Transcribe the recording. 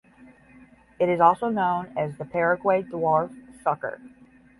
It is also known as the Paraguay dwarf sucker.